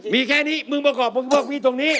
มีแค่นี้ยังริงไหมศักดิ์มีแค่นี้